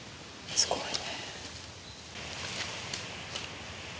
すごいね。